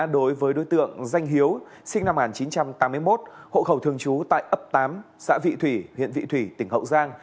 đối với đối tượng danh hiếu sinh năm một nghìn chín trăm tám mươi một hộ khẩu thường trú tại ấp tám xã vị thủy huyện vị thủy tỉnh hậu giang